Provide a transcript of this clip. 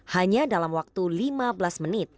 hanya dalam waktu lima belas menit